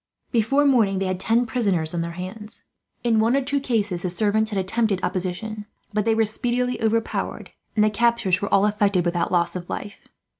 Before morning they had ten prisoners in their hands. In one or two cases the servants had attempted opposition, but they were speedily overpowered, and the captures were all effected without loss of life.